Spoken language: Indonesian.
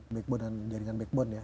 backbone dan jaringan backbone ya